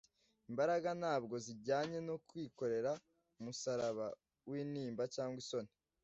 imbaraga ntabwo zijyanye no kwikorera umusaraba wintimba cyangwa isoni